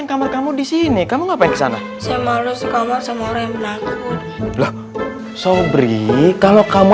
sebetul betul kamu disini kamu apa yang pertama lu kedalam seorang sudah sombri kalau kamu